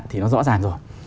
thì nó rõ ràng rồi